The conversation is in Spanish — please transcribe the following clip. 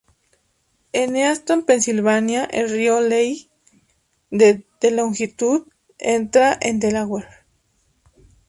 En Easton, Pennsylvania, el río Lehigh, de de longitud, entra en el Delaware.